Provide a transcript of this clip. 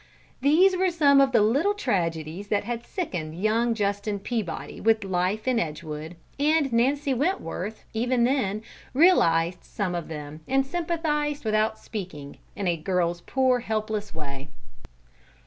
These were some of the little tragedies that had sickened young Justin Peabody with life in Edgewood, and Nancy Wentworth, even then, realized some of them and sympathized without speaking, in a girl's poor, helpless way.